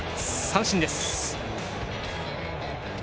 三振です。